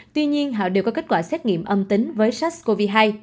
tuy nhiên họ đều có kết quả xét nghiệm âm tính với sars cov hai